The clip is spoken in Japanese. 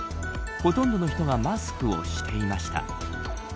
ほとんどの人がマスクをしていました。